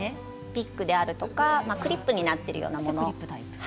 ピックであるとかクリップになっているようなもの。